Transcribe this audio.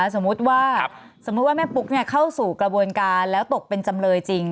สมมุติว่าสมมุติว่าแม่ปุ๊กเข้าสู่กระบวนการแล้วตกเป็นจำเลยจริง